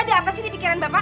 ada apa sih di pikiran bapak